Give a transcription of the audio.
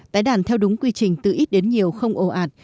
tái đàn theo đúng quy trình từ ít đến nhiều không ồ ạt